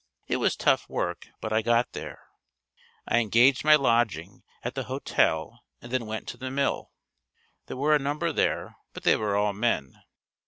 It was tough work, but I got there. I engaged my lodging at the hotel and then went to the mill. There were a number there, but they were all men.